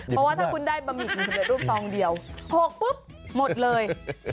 เพราะว่าถ้าคุณได้บะหมี่กึ่งสำเร็จรูปซองเดียว๖ปุ๊บหมดเลย